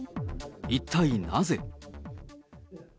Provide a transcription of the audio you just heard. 一体なぜ。